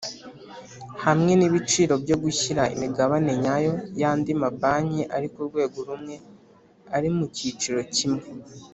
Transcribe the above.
hamwe n’ibiciro byo gushyira imigabane nyayo yandi mabanki ari ku rwego rumwe ari mukiciro kimwe.